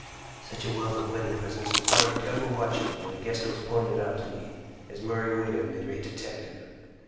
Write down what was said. Such a wealth of wedding presents required careful watching, and a guest was pointed out to me as Murray Wigan, the great detective.